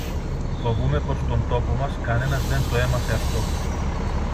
Φοβούμαι πως στον τόπο μας κανένας δεν το έμαθε αυτό.